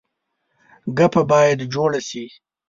ګپه باید جوړه شي.